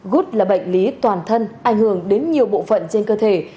gút là bệnh lý toàn thân ảnh hưởng đến nhiều bộ phận trên cơ thể